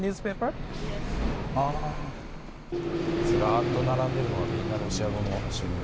ずらっと並んでいるのはみんなロシア語の新聞。